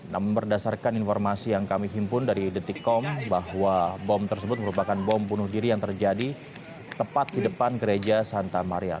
namun berdasarkan informasi yang kami himpun dari detikkom bahwa bom tersebut merupakan bom bunuh diri yang terjadi tepat di depan gereja santa maria